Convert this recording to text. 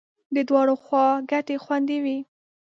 د دواړو خواو ګټې خوندي وې.